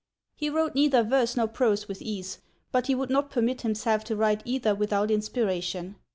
He wrote neither verse nor prose with ease, but he would not permit himself to write either without inspiration.